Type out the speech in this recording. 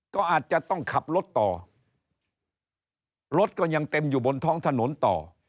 ก็อาจจะต้องขับรถต่อรถก็ยังเต็มอยู่บนท้องถนนต่อ